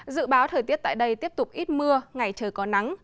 dự báo thời tiết tại đây tiếp tục ít mưa ngày trời có nắng